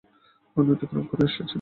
আপনি অতিক্রম করে এসেছেন।